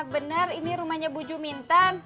benar ini rumahnya bu jumintan